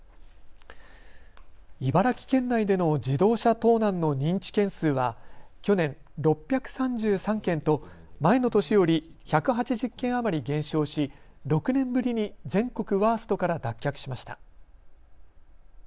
茨城県内での自動車盗難の認知件数は去年、６３３件と前の年より１８０件余り減少し６年ぶりに全国ワーストから脱却しました。